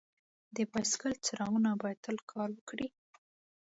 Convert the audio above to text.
د بایسکل څراغونه باید تل کار وکړي.